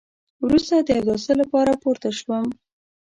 وروسته د اوداسه لپاره پورته شوم.